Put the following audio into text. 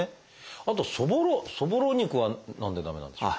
あとそぼろそぼろ肉は何で駄目なんでしょう？